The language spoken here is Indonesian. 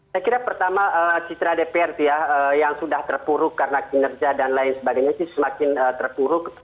saya kira pertama citra dpr itu ya yang sudah terpuruk karena kinerja dan lain sebagainya sih semakin terpuruk